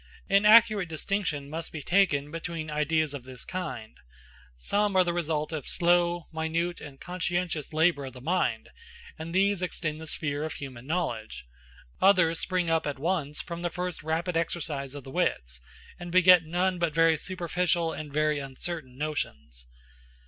An accurate distinction must be taken between ideas of this kind. Some are the result of slow, minute, and conscientious labor of the mind, and these extend the sphere of human knowledge; others spring up at once from the first rapid exercise of the wits, and beget none but very superficial and very uncertain notions.